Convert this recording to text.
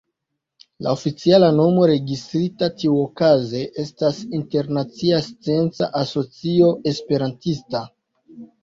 La oficiala nomo, registrita tiuokaze estas Internacia Scienca Asocio Esperantista.